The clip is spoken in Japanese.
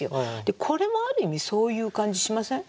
これもある意味そういう感じしません？